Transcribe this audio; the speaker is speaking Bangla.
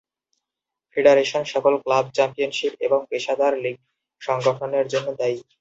ফেডারেশন সকল ক্লাব চ্যাম্পিয়নশিপ এবং পেশাদার লীগ সংগঠনের জন্য দায়ী।